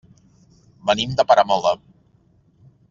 Venim de Peramola.